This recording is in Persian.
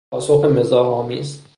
پاسخ مزاح آمیز